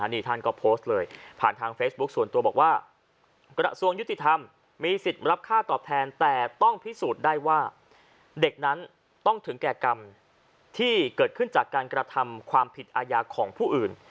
นี่ท่านก็โพสต์เลยผ่านทางเฟซบุ๊คส่วนตัวบอกว่ากระทรวงยุติธรรมมีสิทธิ์รับค่าตอบแทนแต่ต้องพิสูจน์ได้ว่าเด็กนั้นต้องถึงแก่กรรมที่เกิดขึ้นจากการกระทำความผิดอาญาของผู้อื่น